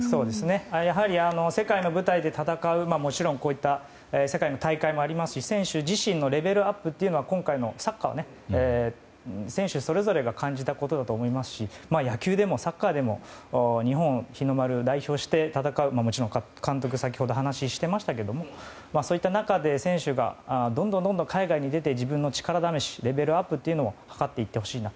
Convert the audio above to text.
やはり世界の舞台で戦うもちろん、こういった世界の大会もありますし選手自身のレベルアップも今回も選手それぞれが感じたことだと思いますし野球でもサッカーでも日本、日の丸を代表してもちろん監督も先ほど話をしていましたけどそういった中で選手がどんどん海外に出て自分の力試し、レベルアップを図っていってほしいなと。